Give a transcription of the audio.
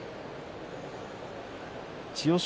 千代翔